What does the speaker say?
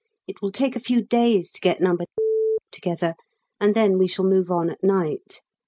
It will take a few days to get No. together, and then we shall move on at night.